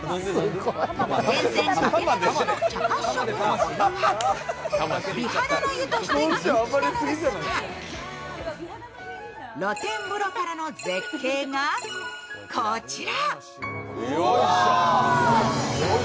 源泉かけ流しの茶褐色のお湯は美肌の湯として人気なのですが、露天風呂からの絶景がこちら。